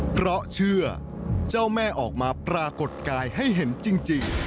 เพราะเชื่อเจ้าแม่ออกมาปรากฏกายให้เห็นจริง